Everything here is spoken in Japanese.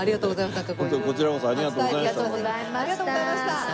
もうありがとうございました。